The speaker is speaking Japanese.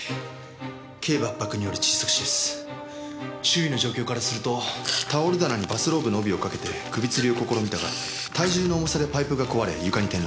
周囲の状況からするとタオル棚にバスローブの帯をかけて首吊りを試みたが体重の重さでパイプが壊れ床に転落した。